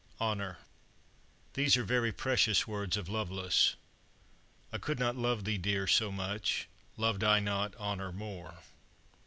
HONOR These are very precious words of Lovelace: "I could not love thee, dear, so much, Loved I not honor more."